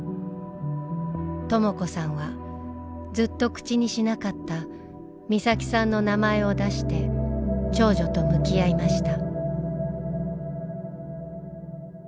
とも子さんはずっと口にしなかった美咲さんの名前を出して長女と向き合いました。